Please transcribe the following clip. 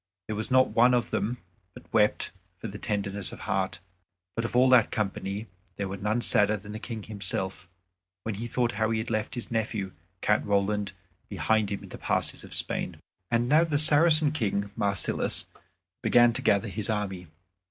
There was not one of them but wept for very tenderness of heart. But of all that company there was none sadder than the King himself, when he thought how he had left his nephew Count Roland behind him in the passes of Spain. And now the Saracen King Marsilas began to gather his army.